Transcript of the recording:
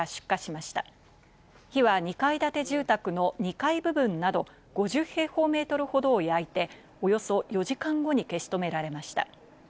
火は２階建て住宅の２階部分など５０平方メートルほどを焼いて、およそ４時間後に消し止められました。